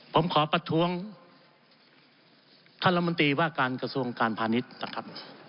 ผมขอประท้วงท่านรัฐมนตรีว่าการกระทรวงการพาณิชย์นะครับ